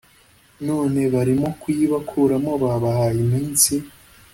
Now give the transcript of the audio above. none barimo kuyibakuramo Babahaye iminsi